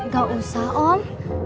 gak usah om